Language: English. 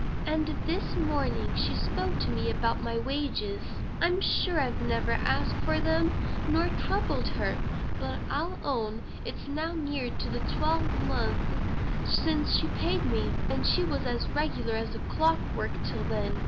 And this morning she spoke to me about my wages. I'm sure I've never asked for them, nor troubled her; but I'll own it's now near on to twelve months since she paid me; and she was as regular as clock work till then.